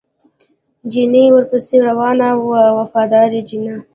چیني ورپسې روان و وفاداره چیني.